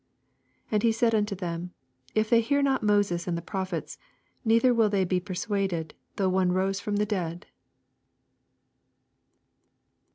31 And he said unto him, If they hear not Moses and the Prophets, neither will they be persuaded, thougli one rose from the dsad.